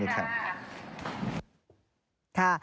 ค่ะวันนี้ค่ะ